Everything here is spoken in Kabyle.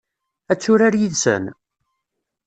Ad turar yid-sen?